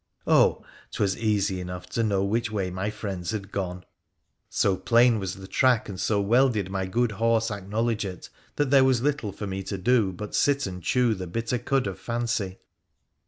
Oh ! 'twas easy enough to know which way my friends had gone ! So plain was the track, and so well did my good horse acknowledge it, that there was little for me to do but sit and chew the bitter cud of fancy.